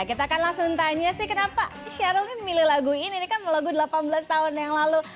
kita akan langsung tanya sih kenapa sheryl ini milih lagu ini kan lagu delapan belas tahun yang lalu